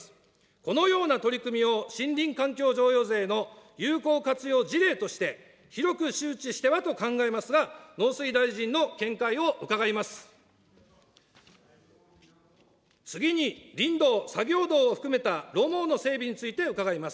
このような取り組みを森林環境譲与税の有効活用事例として、広く周知してはと考えますが、農水大臣の見解を伺います。